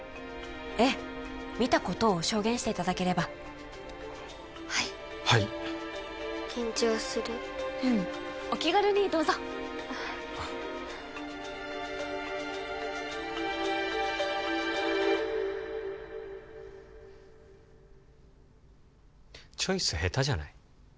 ええ見たことを証言していただければはいはい緊張するうんお気軽にどうぞあっチョイス下手じゃない？